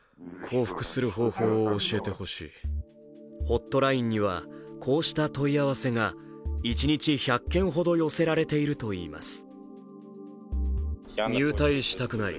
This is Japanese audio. ホットラインにはこうした問い合わせが一日１００件ほど寄せられているといいます。